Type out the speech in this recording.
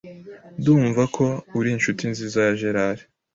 Ndumva ko uri inshuti nziza ya gerard.